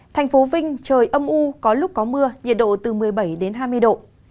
thành phố vinh trời âm u có lúc có mưa nhiệt độ từ một mươi bảy đến hai mươi độ